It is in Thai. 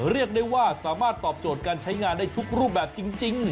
เรียกได้ว่าสามารถตอบโจทย์การใช้งานได้ทุกรูปแบบจริง